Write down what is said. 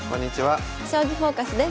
「将棋フォーカス」です。